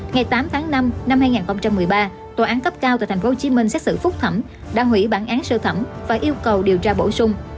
ngày tám tháng năm năm hai nghìn một mươi ba tòa án cấp cao tại tp hcm xét xử phúc thẩm đã hủy bản án sơ thẩm và yêu cầu điều tra bổ sung